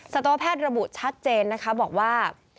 สัตวแพทย์ระบุชัดเจนนะคะบอกว่า